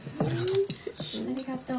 ありがとう。